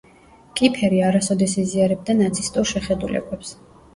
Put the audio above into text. კიფერი არასოდეს იზიარებდა ნაცისტურ შეხედულებებს.